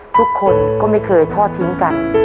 ทุกคนก็ไม่เคยทอดทิ้งกัน